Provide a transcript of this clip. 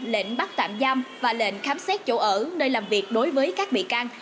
lệnh bắt tạm giam và lệnh khám xét chỗ ở nơi làm việc đối với các bị can